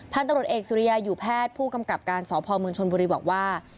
พันธุ์ตำรวจเอกสุริยาอยู่แพทย์ผู้กำกับการสพเมืองชนบุรีบอกว่า